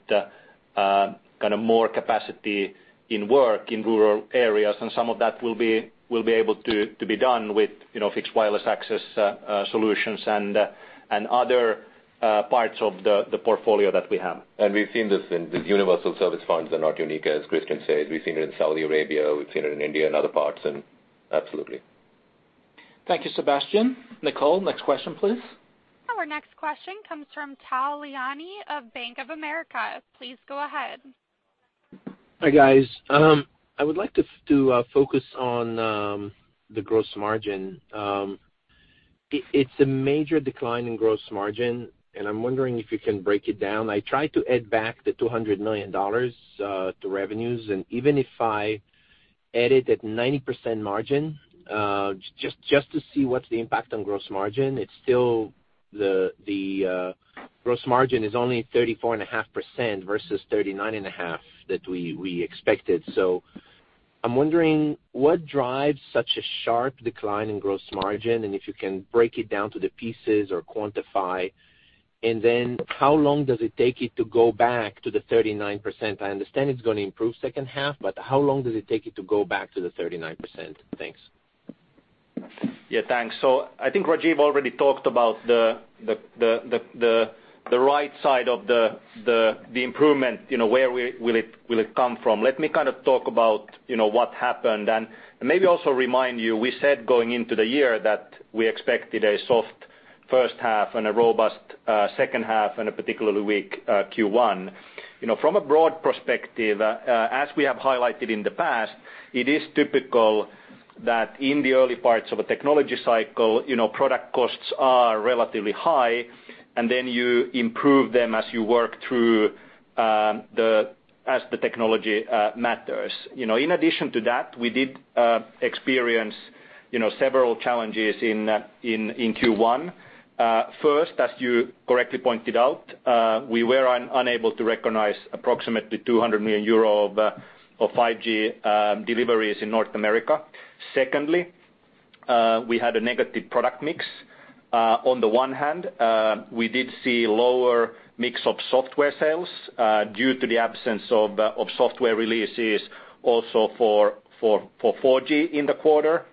more capacity in work in rural areas. Some of that will be able to be done with fixed wireless access solutions and other parts of the portfolio that we have. We've seen this in the Universal Service Fund are not unique, as Kristian says. We've seen it in Saudi Arabia, we've seen it in India and other parts. Absolutely. Thank you, Sébastien. Nicole, next question, please. Our next question comes from Tal Liani of Bank of America. Please go ahead. Hi, guys. I would like to focus on the gross margin. It's a major decline in gross margin. I'm wondering if you can break it down. I tried to add back the EUR 200 million to revenues, and even if I added that 90% margin, just to see what's the impact on gross margin, it's still the gross margin is only 34.5% versus 39.5% that we expected. I'm wondering what drives such a sharp decline in gross margin, and if you can break it down to the pieces or quantify. How long does it take it to go back to the 39%? I understand it's going to improve second half, how long does it take it to go back to the 39%? Thanks. Yeah, thanks. I think Rajeev already talked about the right side of the improvement, where will it come from? Let me talk about what happened, and maybe also remind you, we said going into the year that we expected a soft first half and a robust second half and a particularly weak Q1. From a broad perspective, as we have highlighted in the past, it is typical that in the early parts of a technology cycle, product costs are relatively high. You improve them as you work through as the technology matures. In addition to that, we did experience several challenges in Q1. First, as you correctly pointed out, we were unable to recognize approximately 200 million euro of 5G deliveries in North America. Secondly, we had a negative product mix. On the one hand, we did see lower mix of software sales due to the absence of software releases also for 4G in the quarter.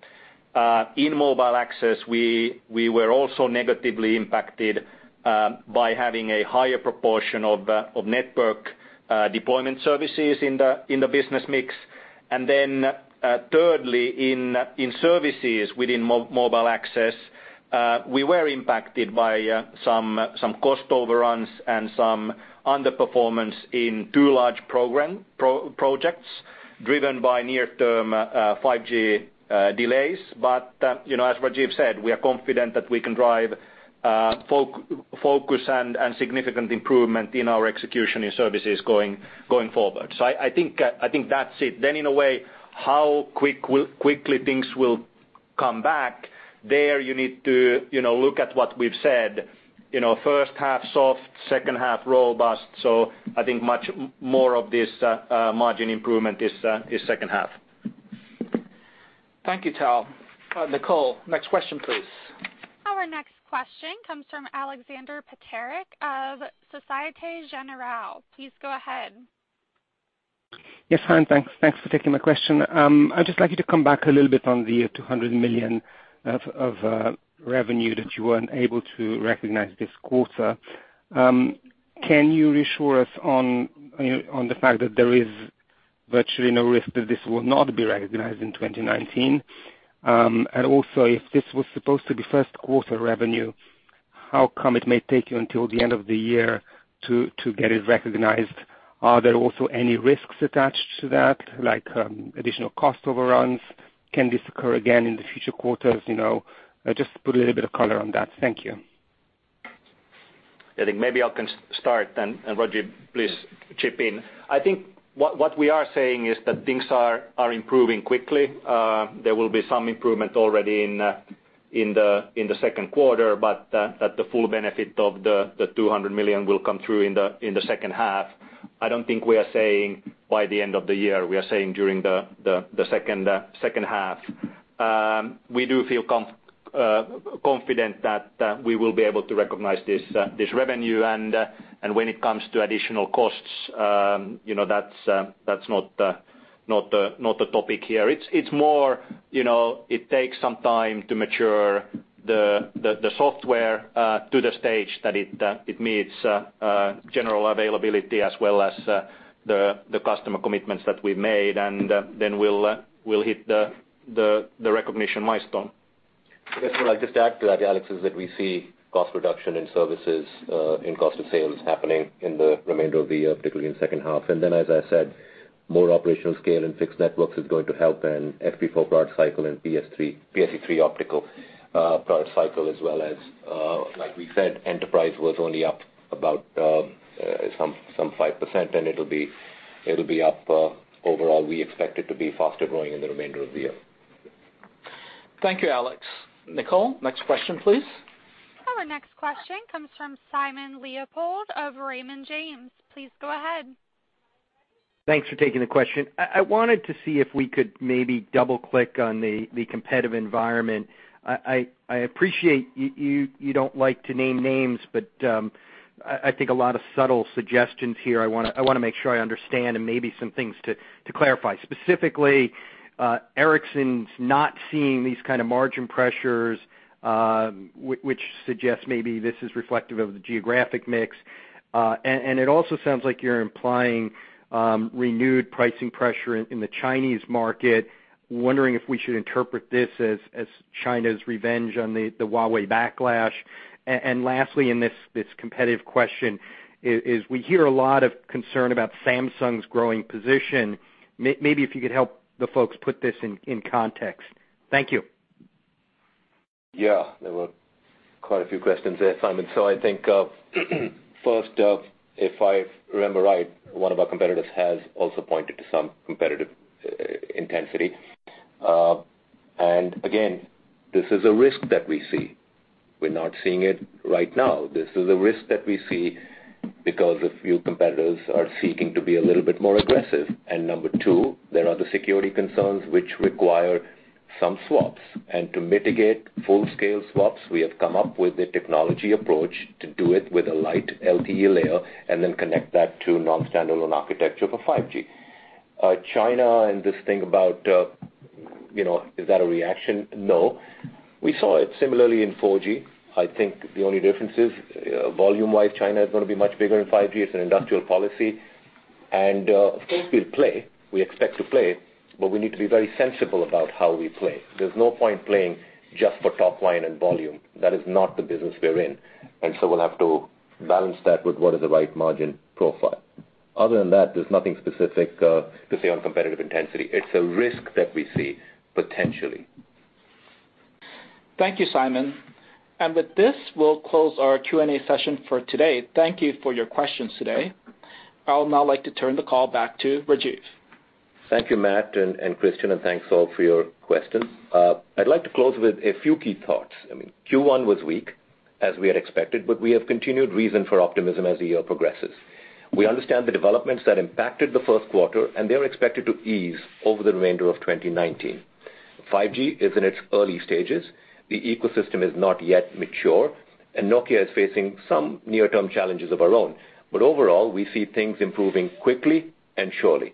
In mobile access, we were also negatively impacted by having a higher proportion of network deployment services in the business mix. Thirdly, in services within mobile access, we were impacted by some cost overruns and some underperformance in two large projects driven by near-term 5G delays. As Rajeev said, we are confident that we can drive focus and significant improvement in our execution in services going forward. I think that's it. In a way, how quickly things will come back, there you need to look at what we've said, first half soft, second half robust. I think much more of this margin improvement is second half. Thank you, Tal. Nicole, next question, please. Our next question comes from Aleksander Peterc of Société Générale. Please go ahead. Hi, thanks for taking my question. I'd just like you to come back a little bit on the 200 million of revenue that you weren't able to recognize this quarter. Can you reassure us on the fact that there is virtually no risk that this will not be recognized in 2019? Also, if this was supposed to be first quarter revenue, how come it may take you until the end of the year to get it recognized? Are there also any risks attached to that, like additional cost overruns? Can this occur again in the future quarters? Just put a little bit of color on that. Thank you. Maybe I can start then, Rajeev, please chip in. What we are saying is that things are improving quickly. There will be some improvement already in the second quarter, but that the full benefit of the 200 million will come through in the second half. I don't think we are saying by the end of the year, we are saying during the second half. We do feel confident that we will be able to recognize this revenue. When it comes to additional costs, that's not a topic here. It's more, it takes some time to mature the software to the stage that it meets general availability as well as the customer commitments that we've made, and then we'll hit the recognition milestone. Yes. What I'll just add to that, Alex, is that we see cost reduction in services, in cost of sales happening in the remainder of the year, particularly in the second half. More operational scale and Fixed Networks is going to help and FP4 product cycle and PSE-3 optical product cycle as well as, like we said, Enterprise was only up about 5%, and it'll be up. Overall, we expect it to be faster growing in the remainder of the year. Thank you, Alex. Nicole, next question, please. Our next question comes from Simon Leopold of Raymond James. Please go ahead. Thanks for taking the question. I wanted to see if we could maybe double-click on the competitive environment. I appreciate you don't like to name names, but I think a lot of subtle suggestions here I want to make sure I understand, and maybe some things to clarify. Specifically, Ericsson's not seeing these kind of margin pressures, which suggests maybe this is reflective of the geographic mix. It also sounds like you're implying renewed pricing pressure in the Chinese market. Wondering if we should interpret this as China's revenge on the Huawei backlash. Lastly, in this competitive question is, we hear a lot of concern about Samsung's growing position. Maybe if you could help the folks put this in context. Thank you. Yeah. There were quite a few questions there, Simon Leopold. I think, first, if I remember right, one of our competitors has also pointed to some competitive intensity. Again, this is a risk that we see. We're not seeing it right now. This is a risk that we see because a few competitors are seeking to be a little bit more aggressive. Number 2, there are the security concerns, which require some swaps. To mitigate full-scale swaps, we have come up with a technology approach to do it with a light LTE layer and then connect that to non-standalone architecture for 5G. China and this thing about, is that a reaction? No. We saw it similarly in 4G. I think the only difference is volume-wise, China is going to be much bigger in 5G. It's an industrial policy. Of course, we'll play. We expect to play, we need to be very sensible about how we play. There's no point playing just for top line and volume. That is not the business we're in. We'll have to balance that with what is the right margin profile. Other than that, there's nothing specific to say on competitive intensity. It's a risk that we see potentially. Thank you, Simon Leopold. With this, we'll close our Q&A session for today. Thank you for your questions today. I'll now like to turn the call back to Rajeev Suri. Thank you, Matt Shimao and Kristian, thanks all for your questions. I'd like to close with a few key thoughts. Q1 was weak, as we had expected, we have continued reason for optimism as the year progresses. We understand the developments that impacted the first quarter, and they are expected to ease over the remainder of 2019. 5G is in its early stages. The ecosystem is not yet mature, and Nokia is facing some near-term challenges of our own. Overall, we see things improving quickly and surely.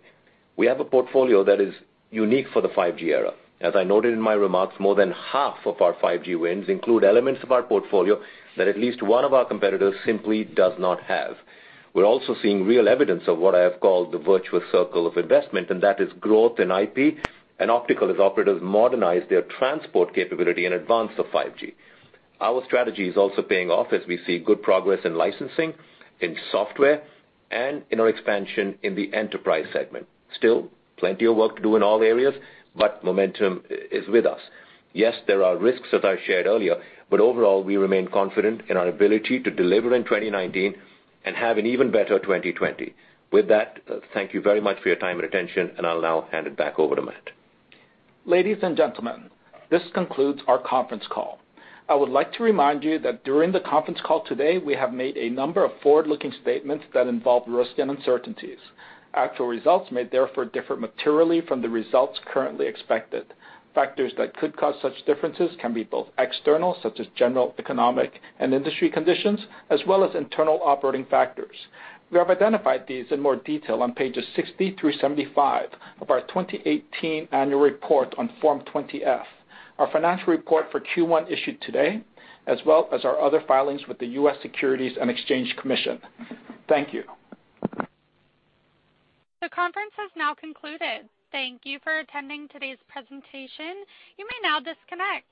We have a portfolio that is unique for the 5G era. As I noted in my remarks, more than half of our 5G wins include elements of our portfolio that at least one of our competitors simply does not have. We're also seeing real evidence of what I have called the virtuous circle of investment. That is growth in IP and optical as operators modernize their transport capability in advance of 5G. Our strategy is also paying off as we see good progress in licensing, in software, and in our expansion in the enterprise segment. Still, plenty of work to do in all areas. Momentum is with us. Yes, there are risks, as I shared earlier. Overall, we remain confident in our ability to deliver in 2019 and have an even better 2020. With that, thank you very much for your time and attention. I'll now hand it back over to Matt. Ladies and gentlemen, this concludes our conference call. I would like to remind you that during the conference call today, we have made a number of forward-looking statements that involve risks and uncertainties. Actual results may therefore differ materially from the results currently expected. Factors that could cause such differences can be both external, such as general economic and industry conditions, as well as internal operating factors. We have identified these in more detail on pages 60 through 75 of our 2018 annual report on Form 20-F, our financial report for Q1 issued today, as well as our other filings with the U.S. Securities and Exchange Commission. Thank you. The conference has now concluded. Thank you for attending today's presentation. You may now disconnect.